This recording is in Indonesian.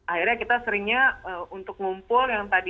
akhirnya kita seringnya untuk ngumpul yang tadi